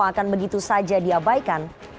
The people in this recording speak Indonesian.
akan begitu saja diabaikan